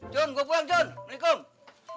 jun gue pulang jun waalaikumsalam